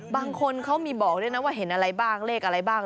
บางคนเขามีบอกด้วยนะว่าเห็นอะไรบ้างเลขอะไรบ้าง